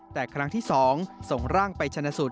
แต่ครั้งที่๒ส่งร่างไปชนะสูตร